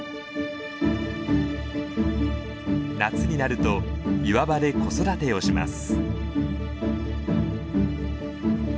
夏になると岩場で子育てをします。